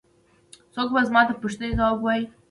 څوک به زما د پوښتنې ځواب ووايي.